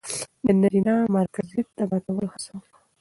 د نرينه مرکزيت د ماتولو هڅه وکړه